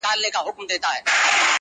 دومره کمزوری يم له موټو نه چي زور غورځي~